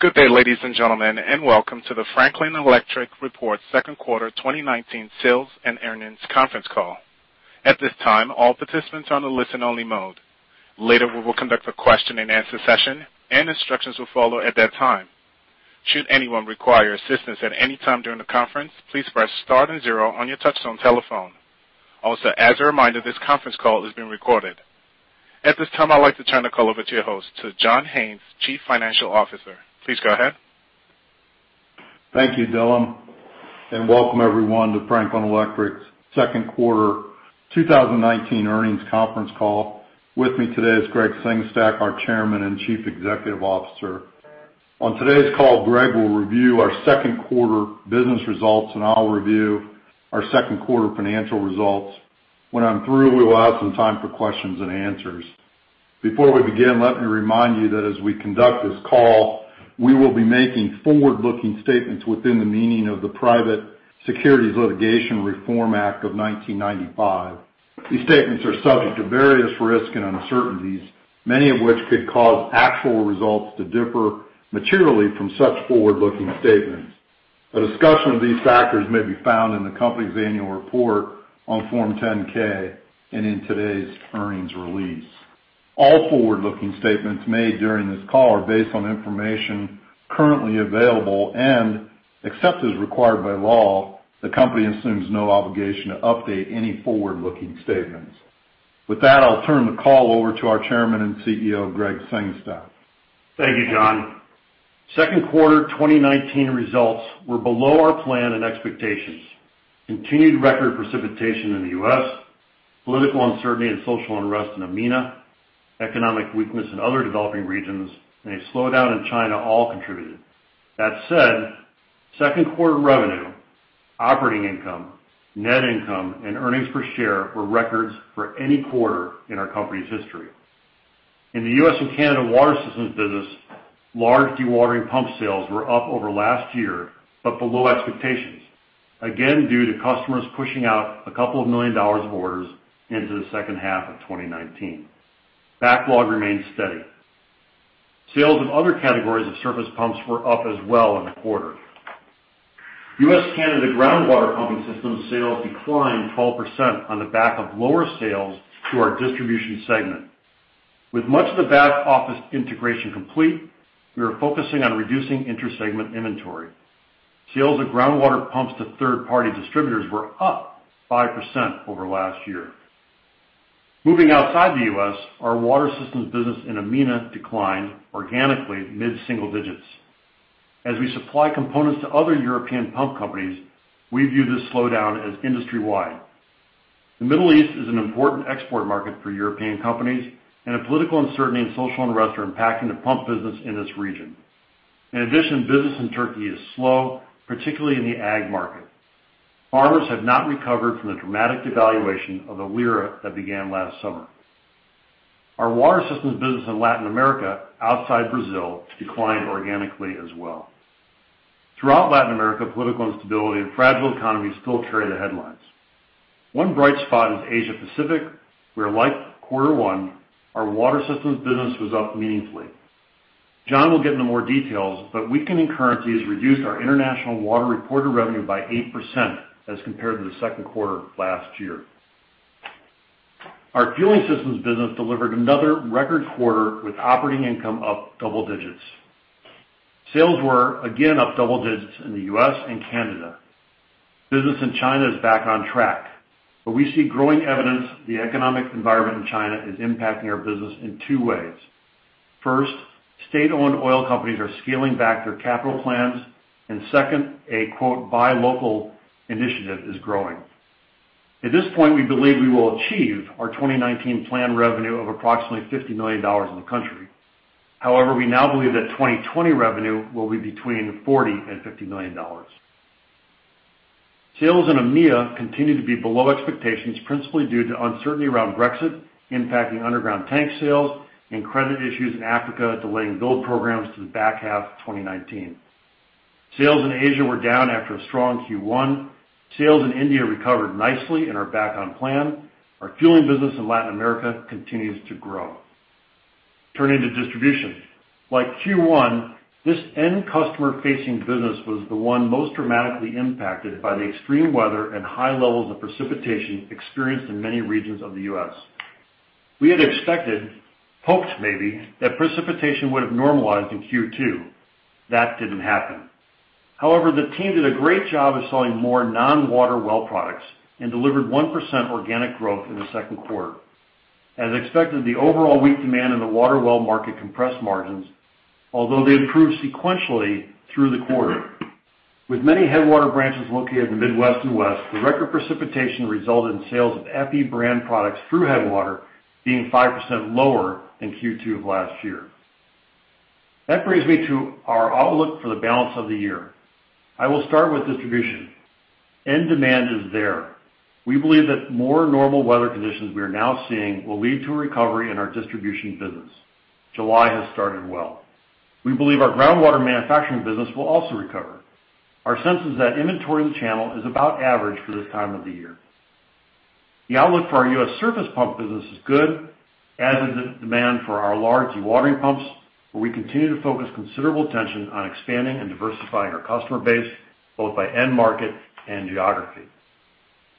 Good day, ladies and gentlemen, and welcome to the Franklin Electric Report Second Quarter 2019 Sales and Earnings Conference Call. At this time, all participants are on a listen-only mode. Later, we will conduct a question-and-answer session and instructions will follow at that time. Should anyone require assistance at any time during the conference, please press star and zero on your touchtone telephone. Also, as a reminder, this conference call is being recorded. At this time, I'd like to turn the call over to your host, to John Haines, Chief Financial Officer. Please go ahead. Thank you, Dylan, and welcome everyone to Franklin Electric's second quarter 2019 earnings conference call. With me today is Gregg Sengstack, our Chairman and Chief Executive Officer. On today's call, Gregg will review our second quarter business results and I'll review our second quarter financial results. When I'm through, we will have some time for questions and answers. Before we begin, let me remind you that as we conduct this call, we will be making forward-looking statements within the meaning of the Private Securities Litigation Reform Act of 1995. These statements are subject to various risks and uncertainties, many of which could cause actual results to differ materially from such forward-looking statements. A discussion of these factors may be found in the company's annual report on Form 10-K and in today's earnings release. All forward-looking statements made during this call are based on information currently available, and except as required by law, the company assumes no obligation to update any forward-looking statements. With that, I'll turn the call over to our Chairman and CEO, Gregg Sengstack. Thank you, John. Second quarter 2019 results were below our plan and expectations. Continued record precipitation in the U.S., political uncertainty and social unrest in EMEA, economic weakness in other developing regions, and a slowdown in China all contributed. That said, second quarter revenue, operating income, net income, and earnings per share were records for any quarter in our company's history. In the U.S. and Canada Water Systems business, large dewatering pump sales were up over last year, but below expectations, again, due to customers pushing out a couple of $1 million of orders into the second half of 2019. Backlog remains steady. Sales of other categories of surface pumps were up as well in the quarter. U.S., Canada, groundwater pumping systems sales declined 12% on the back of lower sales to our Distribution segment. With much of the back-office integration complete, we are focusing on reducing intersegment inventory. Sales of groundwater pumps to third-party distributors were up 5% over last year. Moving outside the U.S., our Water Systems business in EMEA declined organically, mid-single digits. As we supply components to other European pump companies, we view this slowdown as industry-wide. The Middle East is an important export market for European companies, and a political uncertainty and social unrest are impacting the pump business in this region. In addition, business in Turkey is slow, particularly in the ag market. Farmers have not recovered from the dramatic devaluation of the lira that began last summer. Our Water Systems business in Latin America, outside Brazil, declined organically as well. Throughout Latin America, political instability and fragile economies still carry the headlines. One bright spot is Asia Pacific, where like quarter one, our Water Systems business was up meaningfully. John will get into more details, but weakening currencies reduced our international water reported revenue by 8% as compared to the second quarter of last year. Our Fueling Systems business delivered another record quarter, with operating income up double digits. Sales were again up double digits in the U.S. and Canada. Business in China is back on track, but we see growing evidence the economic environment in China is impacting our business in two ways. First, state-owned oil companies are scaling back their capital plans, and second, a "buy local" initiative is growing. At this point, we believe we will achieve our 2019 planned revenue of approximately $50 million in the country. However, we now believe that 2020 revenue will be between $40 million and $50 million. Sales in EMEA continue to be below expectations, principally due to uncertainty around Brexit, impacting underground tank sales and credit issues in Africa, delaying build programs to the back half of 2019. Sales in Asia were down after a strong Q1. Sales in India recovered nicely and are back on plan. Our Fueling business in Latin America continues to grow. Turning to Distribution. Like Q1, this end customer-facing business was the one most dramatically impacted by the extreme weather and high levels of precipitation experienced in many regions of the U.S. We had expected, hoped maybe, that precipitation would have normalized in Q2. That didn't happen. However, the team did a great job of selling more non-water well products and delivered 1% organic growth in the second quarter. As expected, the overall weak demand in the water well market compressed margins, although they improved sequentially through the quarter. With many Headwater branches located in the Midwest and West, the record precipitation resulted in sales of FE brand products through Headwater being 5% lower in Q2 of last year. That brings me to our outlook for the balance of the year. I will start with Distribution. End demand is there. We believe that more normal weather conditions we are now seeing will lead to a recovery in our Distribution business. July has started well. We believe our groundwater manufacturing business will also recover. Our sense is that inventory in the channel is about average for this time of the year. The outlook for our U.S. surface pump business is good, as is the demand for our large dewatering pumps, where we continue to focus considerable attention on expanding and diversifying our customer base, both by end market and geography.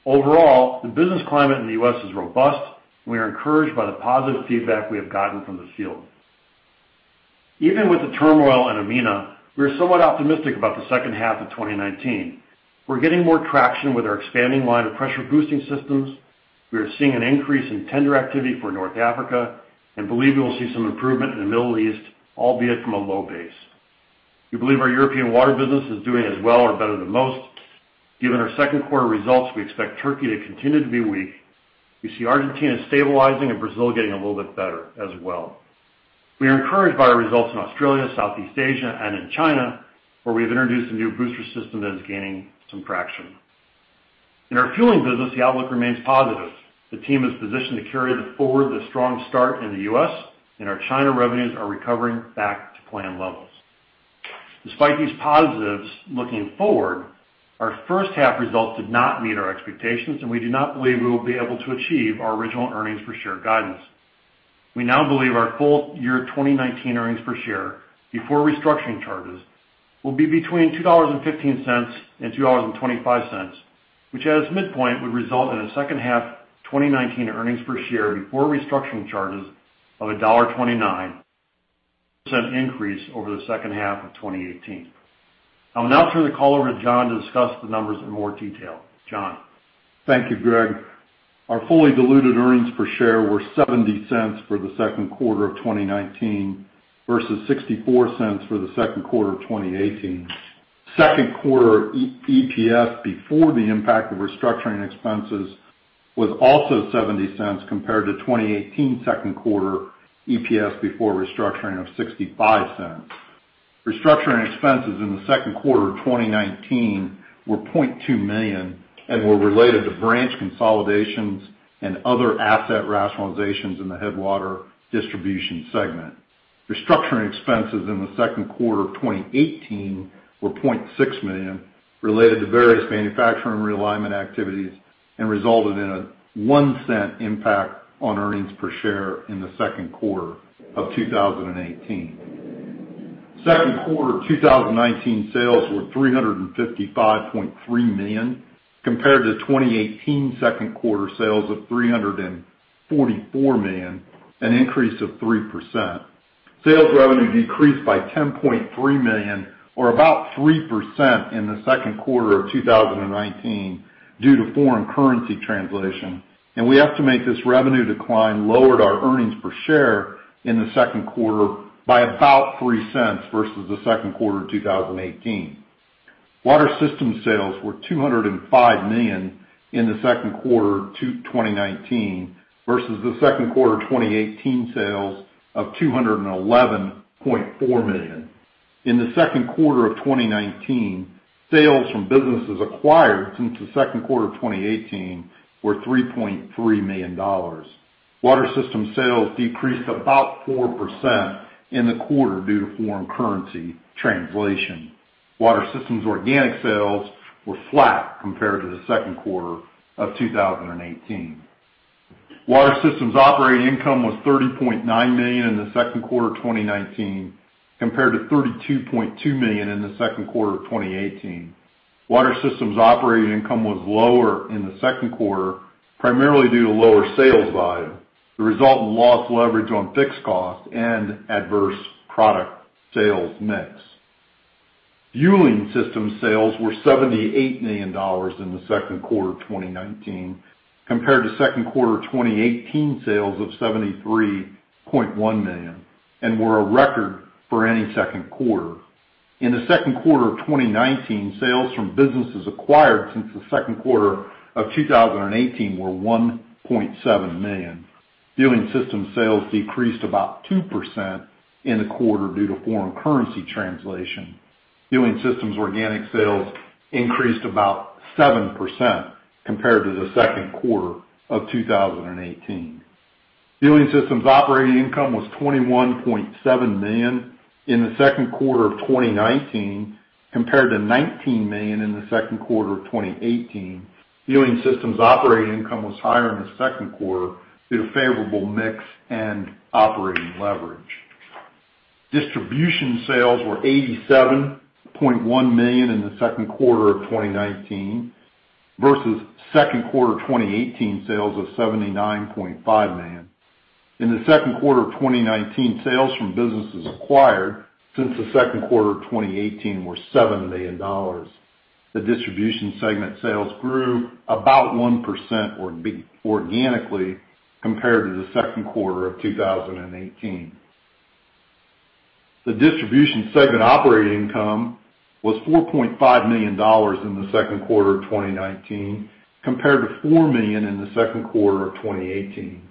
Overall, the business climate in the U.S. is robust, and we are encouraged by the positive feedback we have gotten from the field. Even with the turmoil in EMENA, we are somewhat optimistic about the second half of 2019. We're getting more traction with our expanding line of pressure boosting systems. We are seeing an increase in tender activity for North Africa and believe we will see some improvement in the Middle East, albeit from a low base. We believe our European water business is doing as well or better than most. Given our second quarter results, we expect Turkey to continue to be weak. We see Argentina stabilizing and Brazil getting a little bit better as well. We are encouraged by our results in Australia, Southeast Asia and in China, where we've introduced a new booster system that is gaining some traction. In our Fueling business, the outlook remains positive. The team is positioned to carry forward the strong start in the U.S., and our China revenues are recovering back to plan levels. Despite these positives looking forward, our first half results did not meet our expectations, and we do not believe we will be able to achieve our original earnings per share guidance. We now believe our full year 2019 earnings per share, before restructuring charges, will be between $2.15 and $2.25, which at its midpoint, would result in a second half 2019 earnings per share before restructuring charges of $1.29, increase over the second half of 2018. I'll now turn the call over to John to discuss the numbers in more detail. John? Thank you, Gregg. Our fully diluted earnings per share were $0.70 for the second quarter of 2019 versus $0.64 for the second quarter of 2018. Second quarter EPS before the impact of restructuring expenses was also $0.70 compared to 2018 second quarter EPS before restructuring of $0.65. Restructuring expenses in the second quarter of 2019 were $0.2 million and were related to branch consolidations and other asset rationalizations in the Headwater Distribution segment. Restructuring expenses in the second quarter of 2018 were $0.6 million, related to various manufacturing realignment activities and resulted in a $0.01 impact on earnings per share in the second quarter of 2018. Second quarter 2019 sales were $355.3 million, compared to 2018 second quarter sales of $344 million, an increase of 3%. Sales revenue decreased by $10.3 million, or about 3% in the second quarter of 2019 due to foreign currency translation, and we estimate this revenue decline lowered our earnings per share in the second quarter by about $0.03 versus the second quarter of 2018. Water Systems sales were $205 million in the second quarter of 2019 versus the second quarter of 2018 sales of $211.4 million. In the second quarter of 2019, sales from businesses acquired since the second quarter of 2018 were $3.3 million. Water Systems sales decreased about 4% in the quarter due to foreign currency translation. Water Systems organic sales were flat compared to the second quarter of 2018. Water Systems operating income was $30.9 million in the second quarter of 2019, compared to $32.2 million in the second quarter of 2018. Water Systems operating income was lower in the second quarter, primarily due to lower sales volume, the result of lost leverage on fixed costs and adverse product sales mix. Fueling Systems sales were $78 million in the second quarter of 2019, compared to second quarter of 2018 sales of $73.1 million, and were a record for any second quarter. In the second quarter of 2019, sales from businesses acquired since the second quarter of 2018 were $1.7 million. Fueling System sales decreased about 2% in the quarter due to foreign currency translation. Fueling Systems organic sales increased about 7% compared to the second quarter of 2018. Fueling Systems operating income was $21.7 million in the second quarter of 2019, compared to $19 million in the second quarter of 2018. Fueling Systems operating income was higher in the second quarter due to favorable mix and operating leverage. Distribution sales were $87.1 million in the second quarter of 2019 versus second quarter of 2018 sales of $79.5 million. In the second quarter of 2019, sales from businesses acquired since the second quarter of 2018 were $7 million. The Distribution segment sales grew about 1% organically compared to the second quarter of 2018. The Distribution segment operating income was $4.5 million in the second quarter of 2019, compared to $4 million in the second quarter of 2018.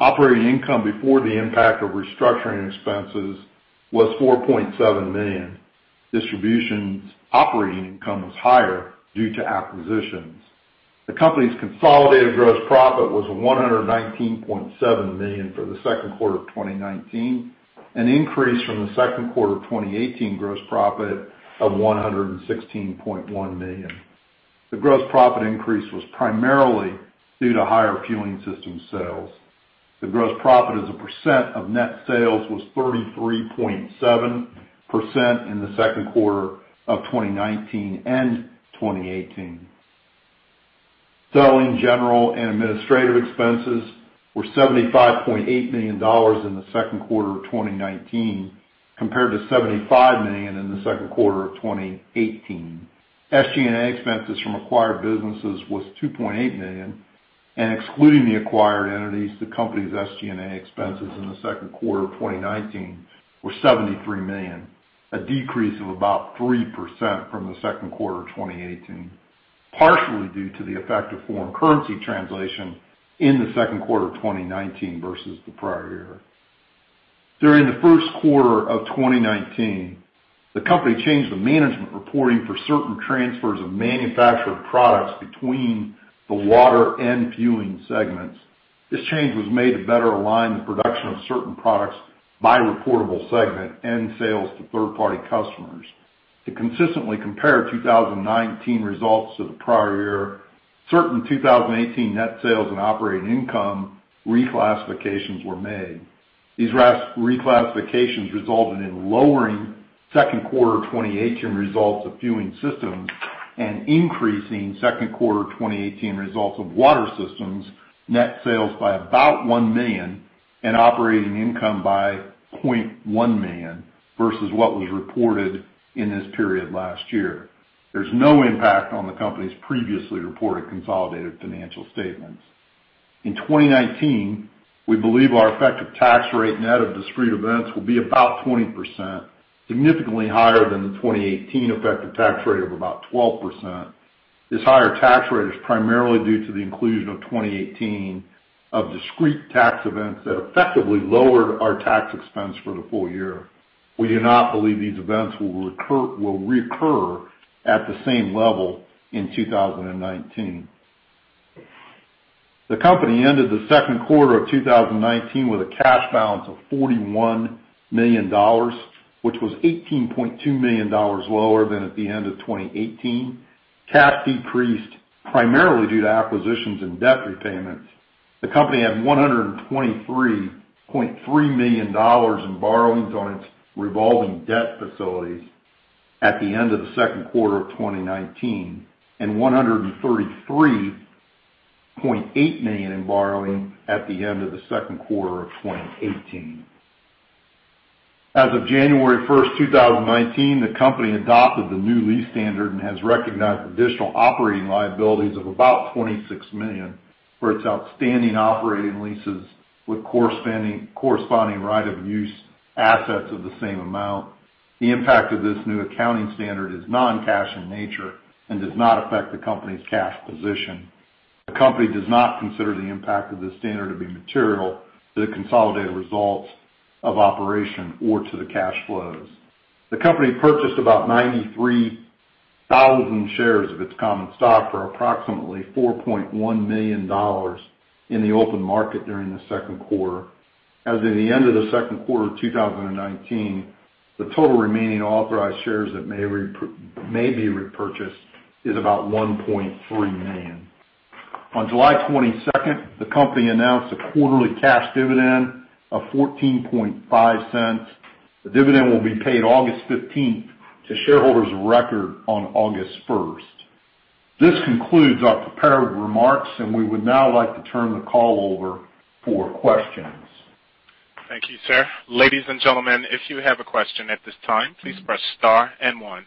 Operating income before the impact of restructuring expenses was $4.7 million. Distribution's operating income was higher due to acquisitions. The company's consolidated gross profit was $119.7 million for the second quarter of 2019, an increase from the second quarter of 2018 gross profit of $116.1 million. The gross profit increase was primarily due to higher Fueling System sales. The gross profit as a percent of net sales was 33.7% in the second quarter of 2019 and 2018. Selling, General, and Administrative expenses were $75.8 million in the second quarter of 2019, compared to $75 million in the second quarter of 2018. SG&A expenses from acquired businesses was $2.8 million, and excluding the acquired entities, the company's SG&A expenses in the second quarter of 2019 were $73 million, a decrease of about 3% from the second quarter of 2018, partially due to the effect of foreign currency translation in the second quarter of 2019 versus the prior year. During the first quarter of 2019, the company changed the management reporting for certain transfers of manufactured products between the Water and Fueling segments. This change was made to better align the production of certain products by reportable segment and sales to third-party customers. To consistently compare 2019 results to the prior year, certain 2018 net sales and operating income reclassifications were made. These reclassifications resulted in lowering second quarter of 2018 results of Fueling Systems and increasing second quarter of 2018 results of Water Systems, net sales by about $1 million and operating income by $0.1 million versus what was reported in this period last year. There's no impact on the company's previously reported consolidated financial statements. In 2019, we believe our effective tax rate net of discrete events will be about 20%, significantly higher than the 2018 effective tax rate of about 12%. This higher tax rate is primarily due to the inclusion of 2018, of discrete tax events that effectively lowered our tax expense for the full year. We do not believe these events will reoccur at the same level in 2019. The company ended the second quarter of 2019 with a cash balance of $41 million, which was $18.2 million lower than at the end of 2018. Cash decreased primarily due to acquisitions and debt repayments. The company had $123.3 million in borrowings on its revolving debt facilities at the end of the second quarter of 2019, and $133.8 million in borrowing at the end of the second quarter of 2018. As of January 1, 2019, the company adopted the new lease standard and has recognized additional operating liabilities of about $26 million for its outstanding operating leases, with corresponding right-of-use assets of the same amount. The impact of this new accounting standard is non-cash in nature and does not affect the company's cash position. The company does not consider the impact of this standard to be material to the consolidated results of operations or to the cash flows. The company purchased about 93,000 shares of its common stock for approximately $4.1 million in the open market during the second quarter. As of the end of the second quarter of 2019, the total remaining authorized shares that may be repurchased is about 1.3 million. On July 22nd, the company announced a quarterly cash dividend of $0.145. The dividend will be paid August 15th to shareholders of record on August 1st. This concludes our prepared remarks, and we would now like to turn the call over for questions. Thank you, sir. Ladies and gentlemen, if you have a question at this time, please press star and one.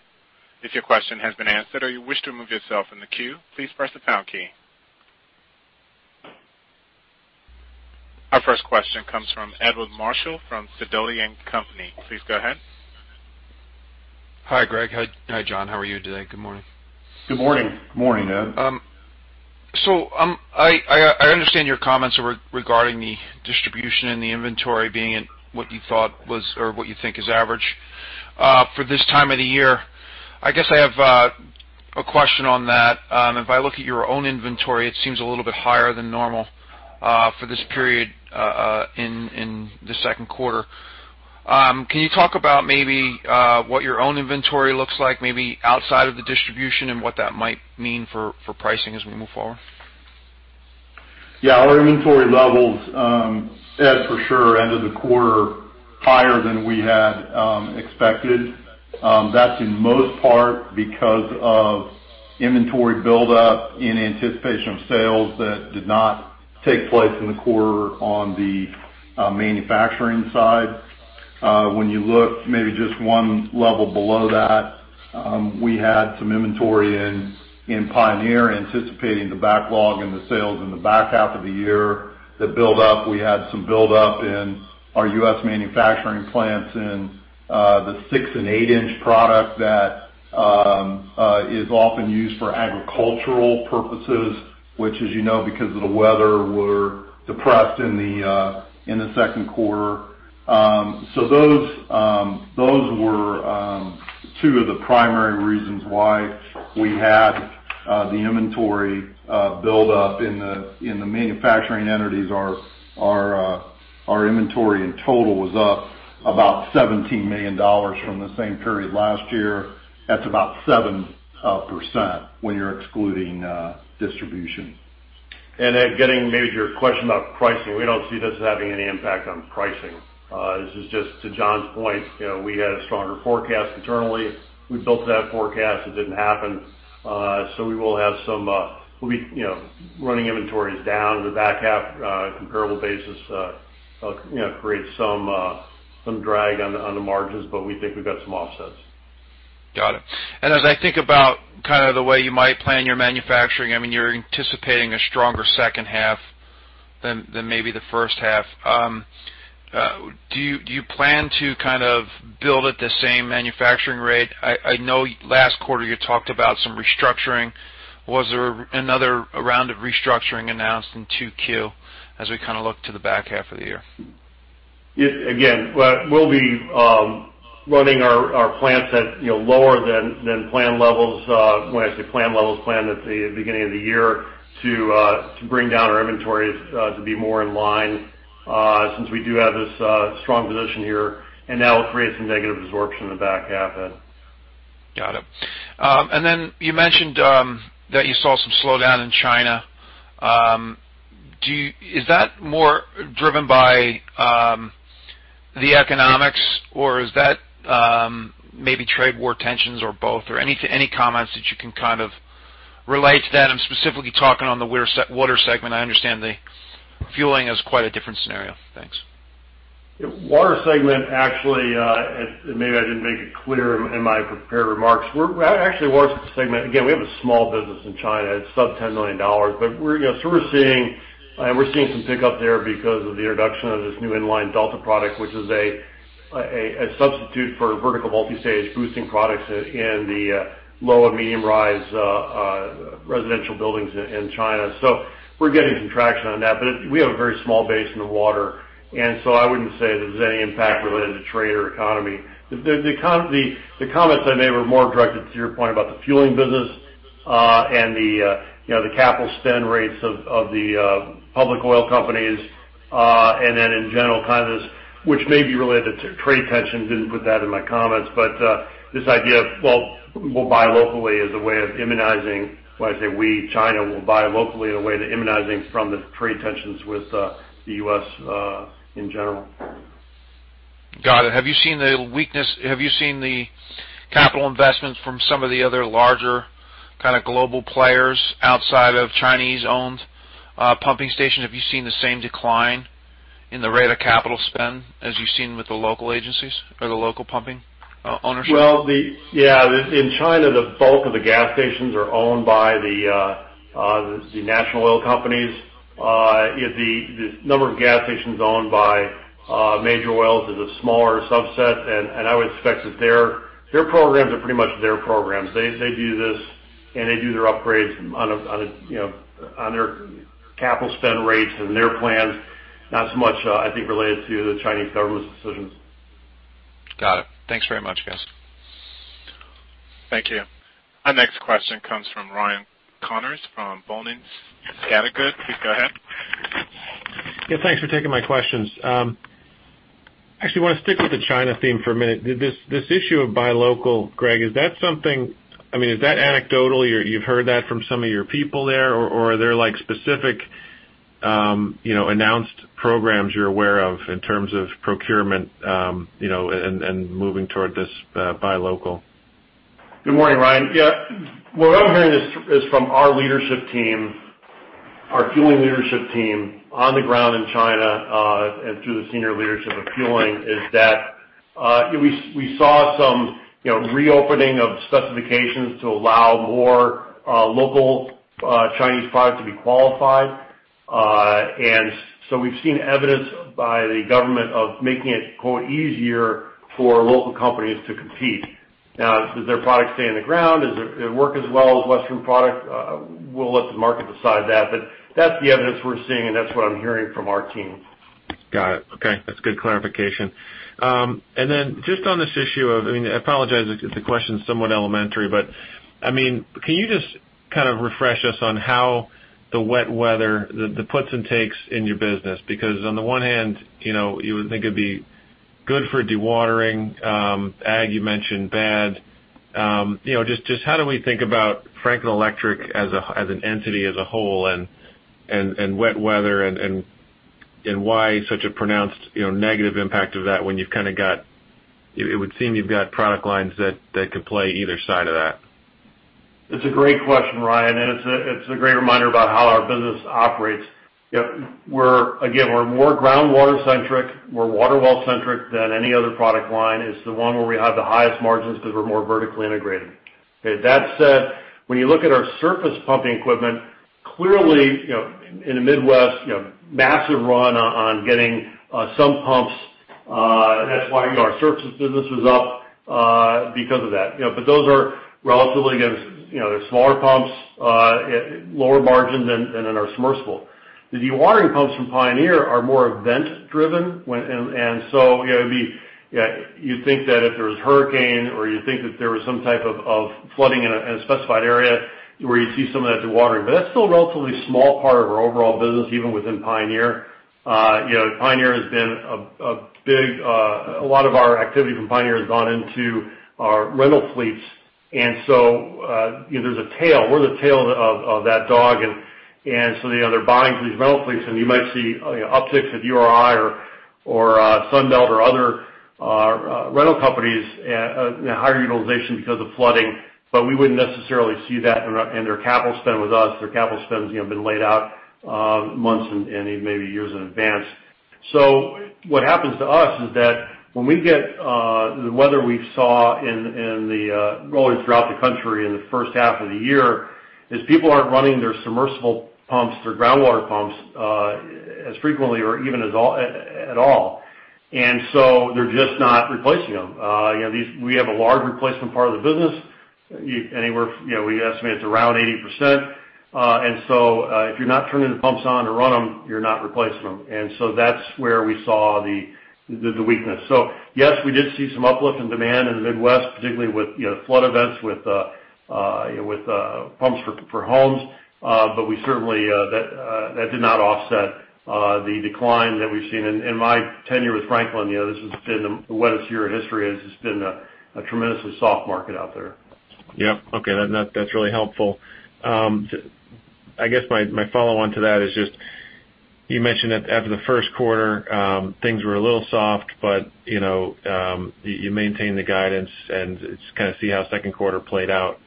If your question has been answered or you wish to remove yourself from the queue, please press the pound key. Our first question comes from Edward Marshall from Sidoti & Company. Please go ahead. Hi, Gregg. Hi, John. How are you today? Good morning. Good morning. Good morning, Ed. So, I understand your comments regarding the Distribution and the inventory being at what you thought was, or what you think is average, for this time of the year. I guess I have a question on that. If I look at your own inventory, it seems a little bit higher than normal, for this period, in the second quarter. Can you talk about maybe what your own inventory looks like, maybe outside of the Distribution and what that might mean for pricing as we move forward? Yeah, our inventory levels, Ed, for sure, ended the quarter higher than we had expected. That's in most part because of inventory buildup in anticipation of sales that did not take place in the quarter on the manufacturing side. When you look maybe just one level below that, we had some inventory in Pioneer, anticipating the backlog and the sales in the back half of the year that build up. We had some build up in our U.S. manufacturing plants in the 6-in and 8-in product that is often used for agricultural purposes, which, as you know, because of the weather, were depressed in the second quarter. So those were two of the primary reasons why we had the inventory build up in the manufacturing entities. Our inventory in total was up about $17 million from the same period last year. That's about 7% when you're excluding Distribution. Getting maybe to your question about pricing. We don't see this as having any impact on pricing. This is just to John's point, you know, we had a stronger forecast internally. We built that forecast, it didn't happen. So we will have some, we'll be, you know, running inventories down in the back half, comparable basis, you know, create some, some drag on the margins, but we think we've got some offsets. Got it. And as I think about kind of the way you might plan your manufacturing, I mean, you're anticipating a stronger second half than, than maybe the first half. Do you, do you plan to kind of build at the same manufacturing rate? I, I know last quarter you talked about some restructuring. Was there another round of restructuring announced in 2Q, as we kind of look to the back half of the year? It again, well, we'll be running our plants at, you know, lower than planned levels. When I say planned levels, planned at the beginning of the year to bring down our inventories to be more in line, since we do have this strong position here, and that will create some negative absorption in the back half, Ed. Got it. And then you mentioned that you saw some slowdown in China. Is that more driven by the economics, or is that maybe trade war tensions, or both? Or any, any comments that you can kind of relate to that? I'm specifically talking on the Water segment. I understand the Fueling is quite a different scenario. Thanks. Water segment, actually, and maybe I didn't make it clear in my prepared remarks. We're actually, Water segment, again, we have a small business in China. It's sub-$10 million, but we're, you know, so we're seeing, we're seeing some pickup there because of the introduction of this new Inline Delta product, which is a substitute for vertical multi-stage boosting products in the low and medium rise residential buildings in China. So we're getting some traction on that, but it, we have a very small base in the water, and so I wouldn't say there's any impact related to trade or economy. The comments I made were more directed to your point about the Fueling business, and the, you know, the capital spend rates of the public oil companies, and then in general, kind of this, which may be related to trade tensions. Didn't put that in my comments, but this idea of, well, we'll buy locally as a way of immunizing. When I say we, China will buy locally in a way to immunizing from the trade tensions with the U.S., in general. Got it. Have you seen the weakness? Have you seen the capital investments from some of the other larger kind of global players outside of Chinese-owned pumping stations? Have you seen the same decline in the rate of capital spend as you've seen with the local agencies or the local pumping ownership? Well, in China, the bulk of the gas stations are owned by the national oil companies. The number of gas stations owned by major oils is a smaller subset, and I would expect that their programs are pretty much their programs. They do this, and they do their upgrades on, you know, on their capital spend rates and their plans. Not so much, I think, related to the Chinese government's decisions. Got it. Thanks very much, guys. Thank you. Our next question comes from Ryan Connors from Boenning & Scattergood. Please go ahead. Yeah, thanks for taking my questions. I actually want to stick with the China theme for a minute. This issue of buy local, Gregg, is that something. I mean, is that anecdotal, or you've heard that from some of your people there, or are there, like, specific, you know, announced programs you're aware of in terms of procurement, you know, and moving toward this buy local? Good morning, Ryan. Yeah, what I'm hearing is from our leadership team, our Fueling leadership team on the ground in China, and through the senior leadership of Fueling, is that we saw some, you know, reopening of specifications to allow more local Chinese products to be qualified. And so we've seen evidence by the government of making it, quote, "easier" for local companies to compete. Now, does their product stay in the ground? Does it work as well as Western product? We'll let the market decide that, but that's the evidence we're seeing, and that's what I'm hearing from our teams. Got it. Okay, that's good clarification. And then just on this issue of, I mean, I apologize if the question is somewhat elementary, but, I mean, can you just kind of refresh us on how the wet weather, the puts and takes in your business? Because on the one hand, you know, you would think it'd be good for dewatering, ag, you mentioned bad. You know, just, just how do we think about Franklin Electric as a, as an entity, as a whole, and, and, and wet weather and, and, and why such a pronounced, you know, negative impact of that when you've kind of got it would seem you've got product lines that, that could play either side of that? It's a great question, Ryan, and it's a great reminder about how our business operates. You know, we're again, we're more groundwater centric, we're water well centric than any other product line. It's the one where we have the highest margins because we're more vertically integrated. Okay, that said, when you look at our surface pumping equipment, clearly, you know, in the Midwest, you know, massive run on getting some pumps, and that's why, you know, our surface business was up because of that. You know, but those are relatively, again, you know, they're smaller pumps, lower margin than in our submersible. The dewatering pumps from Pioneer are more event-driven when and so, you know, it'd be yeah, you'd think that if there was a hurricane or you'd think that there was some type of flooding in a specified area, where you see some of that dewatering. But that's still a relatively small part of our overall business, even within Pioneer. You know, Pioneer has been a lot of our activity from Pioneer has gone into our rental fleets. And so, you know, there's a tail. We're the tail of that dog, and so, you know, they're buying from these rental fleets, and you might see, you know, upticks at URI or Sunbelt or other rental companies higher utilization because of flooding. But we wouldn't necessarily see that in their capital spend with us. Their capital spend's, you know, been laid out months and maybe years in advance. So what happens to us is that when we get the weather we saw in the well throughout the country in the first half of the year, people aren't running their submersible pumps or groundwater pumps as frequently or even at all. And so they're just not replacing them. You know, we have a large replacement part of the business. You anywhere, you know, we estimate it's around 80%. And so if you're not turning the pumps on to run them, you're not replacing them. And so that's where we saw the weakness. So yes, we did see some uplift in demand in the Midwest, particularly with, you know, flood events, with pumps for homes. But we certainly, that did not offset the decline that we've seen. In my tenure with Franklin, you know, this has been the wettest year in history, and it's just been a tremendously soft market out there. Yeah. Okay, that's really helpful. I guess my follow-on to that is just, you mentioned that after the first quarter, things were a little soft, but, you know, you maintained the guidance, and just kind of see how the second quarter played out.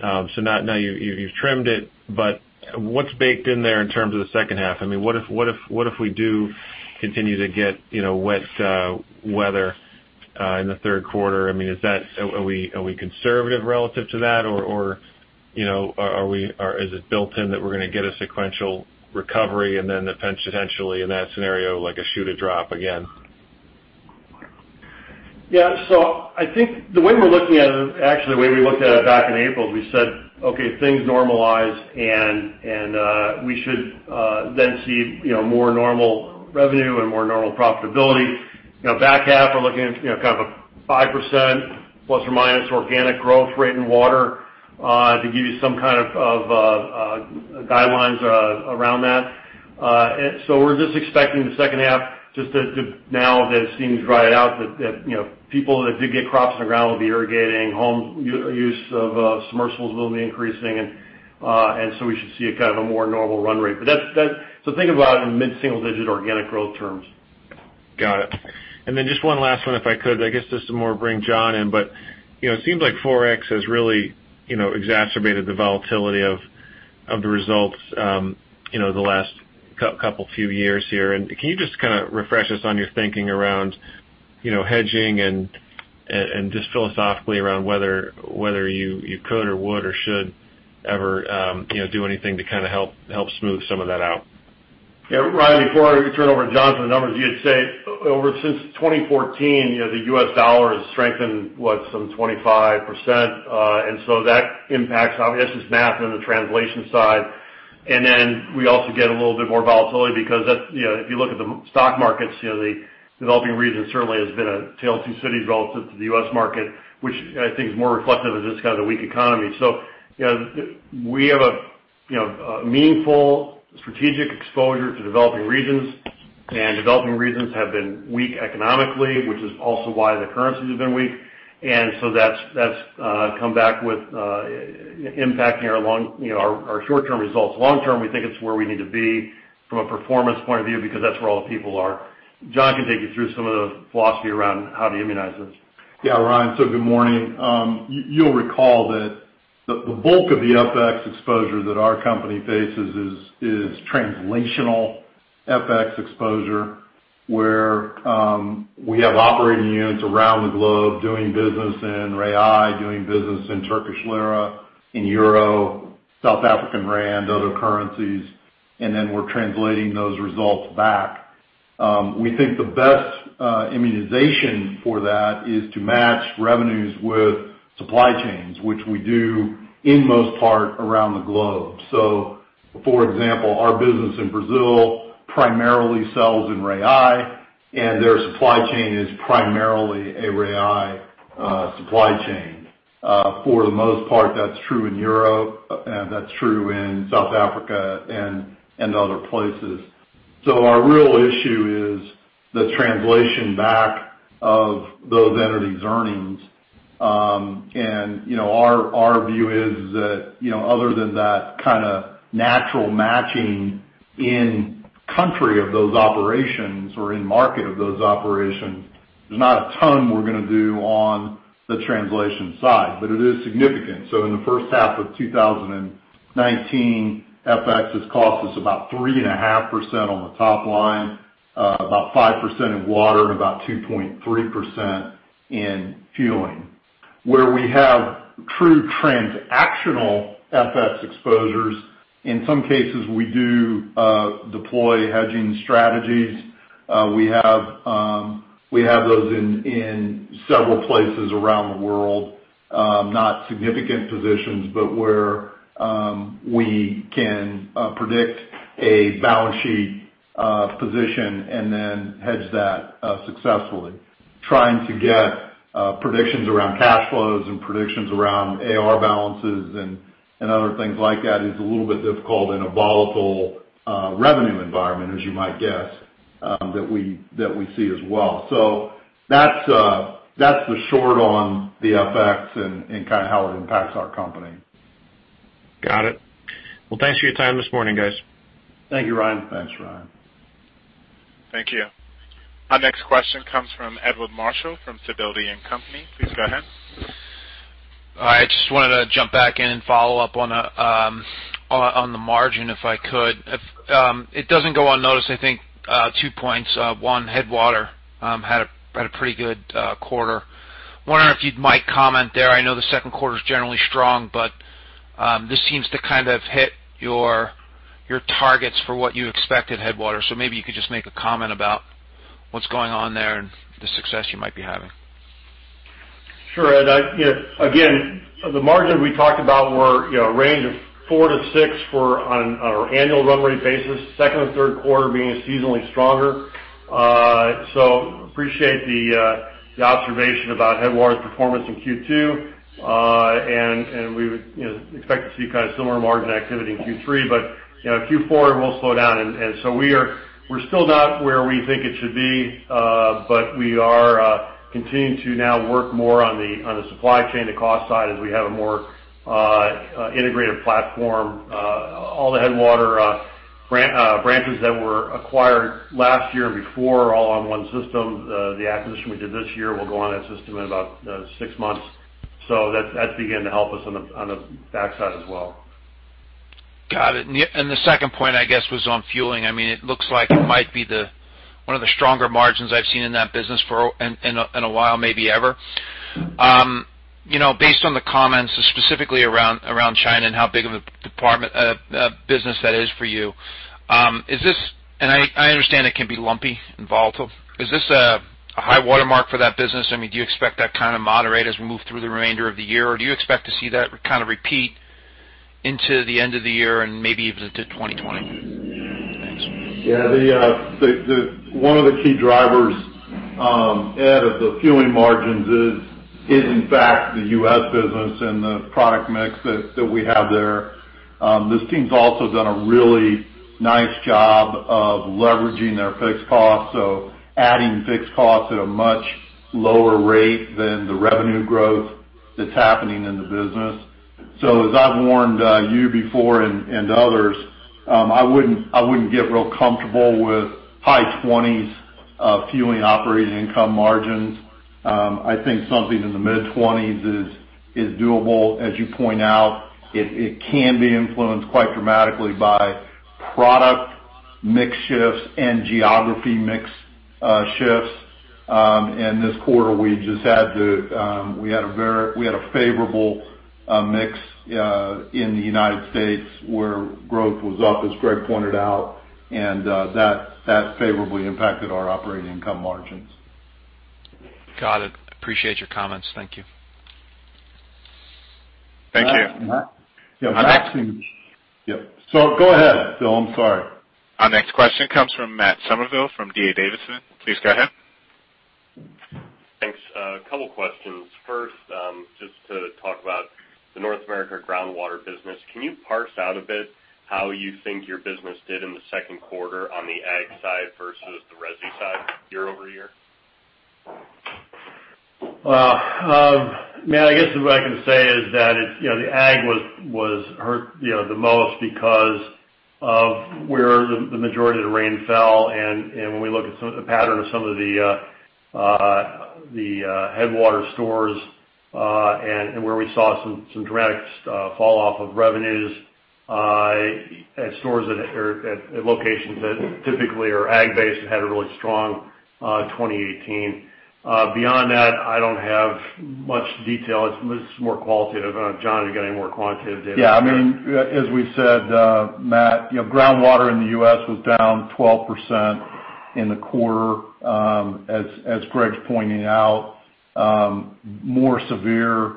So now, you've trimmed it, but what's baked in there in terms of the second half? I mean, what if we do continue to get, you know, wet weather in the third quarter? I mean, is that - are we conservative relative to that, or, you know, are we, or is it built in that we're gonna get a sequential recovery and then potentially, in that scenario, like, a shoot a drop again? Yeah. So I think the way we're looking at it, actually, the way we looked at it back in April, we said, "Okay, things normalize, and we should then see, you know, more normal revenue and more normal profitability." You know, back half, we're looking at, you know, kind of a 5% ± organic growth rate in Water to give you some kind of guidelines around that. So we're just expecting the second half just to now that it seems to dry out, that you know, people that did get crops in the ground will be irrigating, home use of submersibles will be increasing and so we should see a kind of a more normal run rate. But that's. So think about it in mid-single-digit organic growth terms. Got it. And then just one last one, if I could. I guess this is more to bring John in, but, you know, it seems like Forex has really, you know, exacerbated the volatility of the results, you know, the last couple, few years here. And can you just kind of refresh us on your thinking around, you know, hedging and just philosophically around whether you could or would or should ever, you know, do anything to kind of help smooth some of that out? Yeah, Ryan, before I turn it over to John for the numbers, you'd say over—since 2014, you know, the U.S. dollar has strengthened, what? Some 25%. And so that impacts, obviously, it's math on the translation side. And then we also get a little bit more volatility because that's, you know, if you look at the stock markets, you know, the developing region certainly has been a tale of two cities relative to the U.S. market, which I think is more reflective of just kind of the weak economy. So, you know, we have a, you know, a meaningful strategic exposure to developing regions, and developing regions have been weak economically, which is also why the currencies have been weak. And so that's, that's, come back with impacting our long... you know, our, our short-term results. Long term, we think it's where we need to be from a performance point of view, because that's where all the people are. John can take you through some of the philosophy around how to immunize this. Yeah, Ryan, so good morning. You, you'll recall that the, the bulk of the FX exposure that our company faces is, is translational FX exposure, where, we have operating units around the globe doing business in reais, doing business in Turkish lira, in euro, South African rand, other currencies, and then we're translating those results back. We think the best, immunization for that is to match revenues with supply chains, which we do in most part around the globe. So, for example, our business in Brazil primarily sells in reais, and their supply chain is primarily a reais, supply chain. For the most part, that's true in Europe, that's true in South Africa and, and other places. So our real issue is the translation back of those entities' earnings. And, you know, our view is that, you know, other than that kind of natural matching in country of those operations or in market of those operations, there's not a ton we're gonna do on the translation side, but it is significant. So in the first half of 2019, FX has cost us about 3.5% on the top line, about 5% in water, and about 2.3% in Fueling. Where we have true transactional FX exposures, in some cases, we do deploy hedging strategies. We have. We have those in several places around the world. Not significant positions, but where we can predict a balance sheet position and then hedge that successfully. Trying to get predictions around cash flows and predictions around AR balances and other things like that is a little bit difficult in a volatile revenue environment, as you might guess, that we see as well. So that's that's the short on the FX and kind of how it impacts our company. Got it. Well, thanks for your time this morning, guys. Thank you, Ryan. Thanks, Ryan. Thank you. Our next question comes from Edward Marshall from Sidoti & Company. Please go ahead. I just wanted to jump back in and follow up on the margin, if I could. If it doesn't go unnoticed, I think two points. One, Headwater had a pretty good quarter. Wondering if you'd might comment there. I know the second quarter is generally strong, but this seems to kind of hit your targets for what you expect at Headwater. So maybe you could just make a comment about what's going on there and the success you might be having. Sure, Ed. Yeah, again, the margin we talked about were, you know, a range of 4%-6% for on an annual run rate basis, second and third quarter being seasonally stronger. So appreciate the observation about Headwater's performance in Q2. And we would, you know, expect to see kind of similar margin activity in Q3, but, you know, Q4, it will slow down. And so we're still not where we think it should be, but we are continuing to now work more on the supply chain, the cost side, as we have a more integrated platform. All the Headwater branches that were acquired last year and before are all on one system. The acquisition we did this year will go on that system in about 6 months. So that's beginning to help us on the back side as well. Got it. The second point, I guess, was on Fueling. I mean, it looks like it might be one of the stronger margins I've seen in that business in a while, maybe ever. You know, based on the comments, specifically around China and how big of a business that is for you, is this a high Water mark for that business? And I understand it can be lumpy and volatile. Is this a high Water mark for that business? I mean, do you expect that kind of moderate as we move through the remainder of the year, or do you expect to see that kind of repeat into the end of the year and maybe even to 2020? Thanks. Yeah, one of the key drivers, Ed, of the Fueling margins is in fact the U.S. business and the product mix that we have there. This team's also done a really nice job of leveraging their fixed costs, so adding fixed costs at a much lower rate than the revenue growth that's happening in the business. So as I've warned you before and others, I wouldn't get real comfortable with high-20s Fueling operating income margins. I think something in the mid-20s is doable. As you point out, it can be influenced quite dramatically by product mix shifts and geography mix shifts. And this quarter, we had a favorable mix in the United States, where growth was up, as Gregg pointed out, and that favorably impacted our operating income margins. Got it. Appreciate your comments. Thank you. Thank you. Yeah. So go ahead, Dylan, I'm sorry. Our next question comes from Matt Summerville, from D.A. Davidson. Please go ahead. Thanks. A couple of questions. First, just to talk about the North America groundwater business. Can you parse out a bit how you think your business did in the second quarter on the ag side versus the resi side, year-over-year? Well, Matt, I guess what I can say is that it's, you know, the ag was hurt the most because of where the majority of the rain fell, and when we look at some of the pattern of some of the Headwater stores, and where we saw some dramatic falloff of revenues at stores that are at locations that typically are ag-based and had a really strong 2018. Beyond that, I don't have much detail. It's more qualitative. I don't know, John, if you've got any more quantitative data? Yeah, I mean, as we said, Matt, you know, groundwater in the U.S. was down 12% in the quarter. As Greg's pointing out, more severe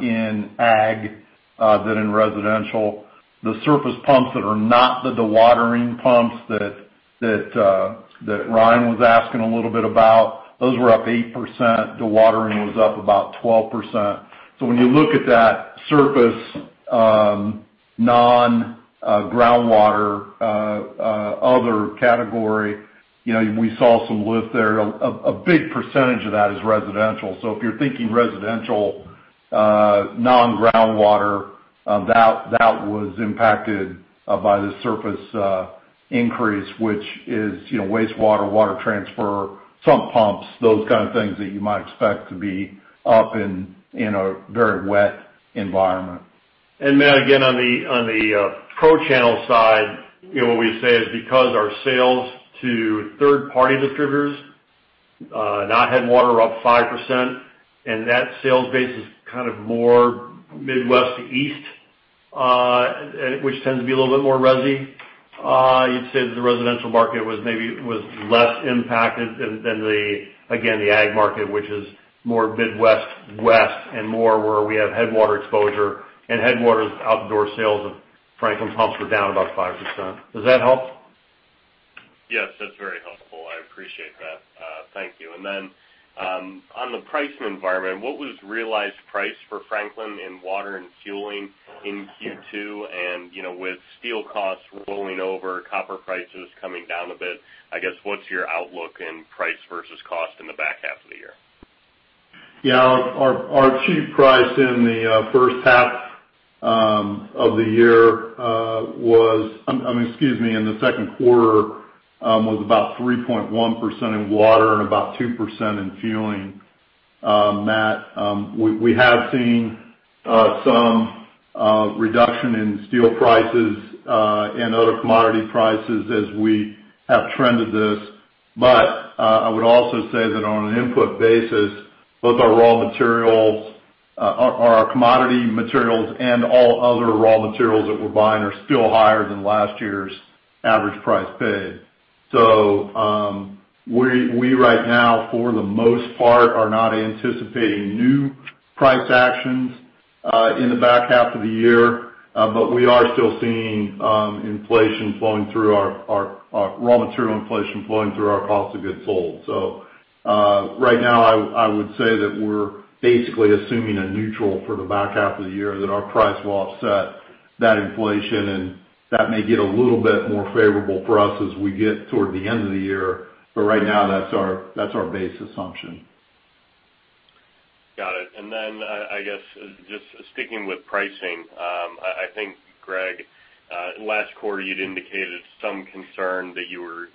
in ag than in residential. The surface pumps that are not the dewatering pumps that Ryan was asking a little bit about, those were up 8%. Dewatering was up about 12%. So when you look at that surface non-groundwater other category, you know, we saw some lift there. A big percentage of that is residential. So if you're thinking residential non-groundwater, that was impacted by the surface increase, which is, you know, wastewater, water transfer, some pumps, those kind of things that you might expect to be up in a very wet environment. And Matt, again, on the pro channel side, you know, what we say is because our sales to third-party distributors, not Headwater, are up 5%, and that sales base is kind of more Midwest to East, which tends to be a little bit more resi, you'd say that the residential market was maybe less impacted than the ag market, which is more Midwest, West, and more where we have Headwater exposure. And Headwater's outdoor sales of Franklin pumps were down about 5%. Does that help? Yes, that's very helpful. I appreciate that. Thank you. And then, on the pricing environment, what was realized price for Franklin in Water and Fueling in Q2? And, you know, with steel costs rolling over, copper prices coming down a bit, I guess, what's your outlook in price versus cost in the back half of the year? Yeah, our achieved price in the first half of the year was, excuse me, in the second quarter, was about 3.1% in Water and about 2% in Fueling. Matt, we have seen some reduction in steel prices and other commodity prices as we have trended this. But I would also say that on an input basis, both our raw materials, our commodity materials and all other raw materials that we're buying are still higher than last year's average price paid. So, we right now, for the most part, are not anticipating new price actions in the back half of the year. But we are still seeing inflation flowing through our raw material inflation flowing through our cost of goods sold. So, right now, I would say that we're basically assuming a neutral for the back half of the year, that our price will offset that inflation, and that may get a little bit more favorable for us as we get toward the end of the year. But right now, that's our base assumption. Got it. And then, I guess just sticking with pricing, I think, Gregg, last quarter you'd indicated some concern that you were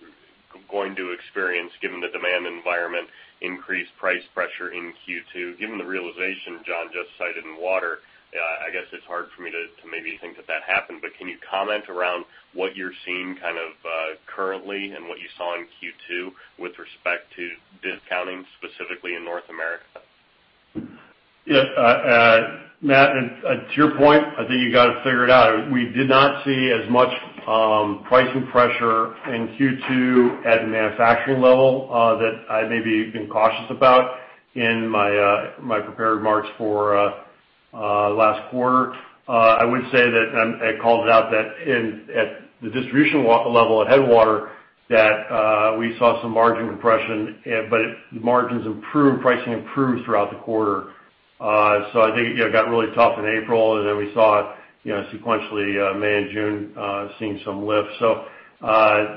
going to experience, given the demand environment, increased price pressure in Q2. Given the realization John just cited in water, I guess it's hard for me to maybe think that that happened. But can you comment around what you're seeing kind of currently and what you saw in Q2 with respect to discounting, specifically in North America? Yeah, Matt, to your point, I think you got it figured out. We did not see as much pricing pressure in Q2 at the manufacturing level that I maybe been cautious about in my prepared remarks for last quarter. I would say that I called it out that at the distribution level at Headwater, that we saw some margin compression, but margins improved, pricing improved throughout the quarter. So I think, yeah, it got really tough in April, and then we saw, you know, sequentially, May and June seeing some lift. So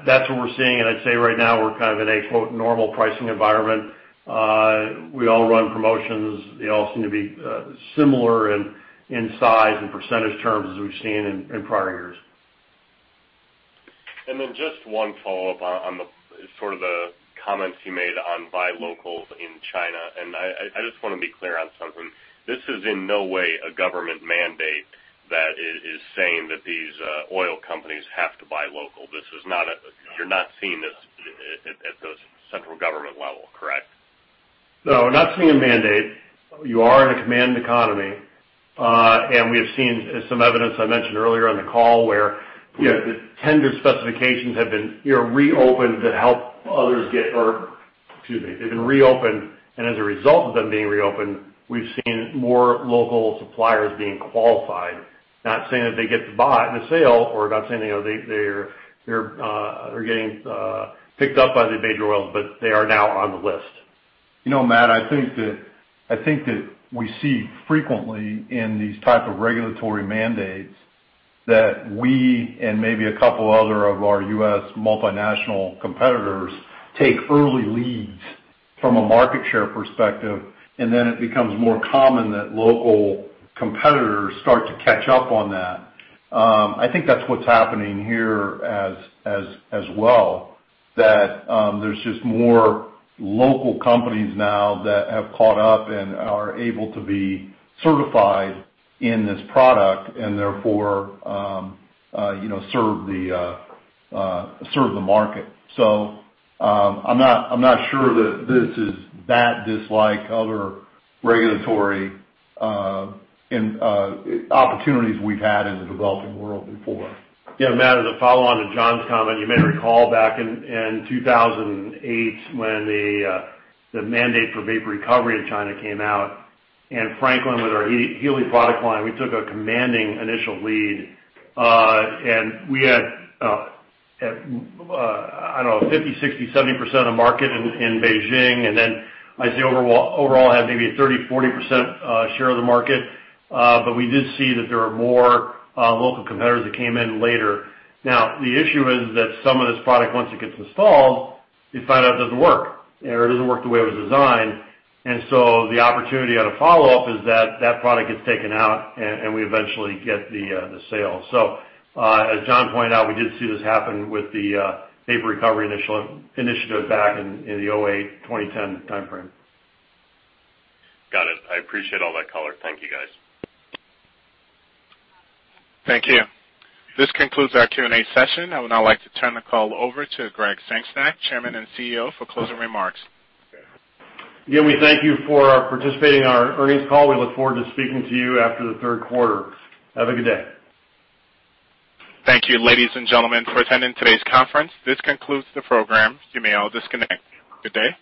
that's what we're seeing, and I'd say right now we're kind of in a, quote, "normal pricing environment." We all run promotions. They all seem to be similar in size and percentage terms as we've seen in prior years. And then just one follow-up on the sort of the comments you made on buy local in China, and I just wanna be clear on something. This is in no way a government mandate that is saying that these oil companies have to buy local. This is not. You're not seeing this at the central government level, correct? No, we're not seeing a mandate. You are in a command economy, and we have seen some evidence I mentioned earlier in the call where, you know, the tender specifications have been, you know, reopened to help others get. Or excuse me, they've been reopened, and as a result of them being reopened, we've seen more local suppliers being qualified. Not saying that they get to buy the sale or not saying, you know, they're getting picked up by the major oils, but they are now on the list. You know, Matt, I think that, I think that we see frequently in these type of regulatory mandates that we and maybe a couple other of our U.S. multinational competitors take early leads from a market share perspective, and then it becomes more common that local competitors start to catch up on that. I think that's what's happening here as well, that there's just more local companies now that have caught up and are able to be certified in this product and therefore, you know, serve the market. So, I'm not, I'm not sure that this is that unlike other regulatory and opportunities we've had in the developing world before. Yeah, Matt, as a follow-on to John's comment, you may recall back in 2008, when the mandate for vapor recovery in China came out, and Franklin, with our Healy product line, we took a commanding initial lead. And we had, I don't know, 50%, 60%, 70% of market in Beijing, and then I'd say overall had maybe a 30%, 40% share of the market. But we did see that there were more local competitors that came in later. Now, the issue is that some of this product, once it gets installed, you find out it doesn't work or it doesn't work the way it was designed. And so the opportunity on a follow-up is that that product gets taken out, and we eventually get the sale. As John pointed out, we did see this happen with the vapor recovery initiative back in the 2008, 2010 timeframe. Got it. I appreciate all that color. Thank you, guys. Thank you. This concludes our Q&A session. I would now like to turn the call over to Gregg Sengstack, Chairman and CEO, for closing remarks. Again, we thank you for participating in our earnings call. We look forward to speaking to you after the third quarter. Have a good day. Thank you, ladies and gentlemen, for attending today's conference. This concludes the program. You may all disconnect. Good day.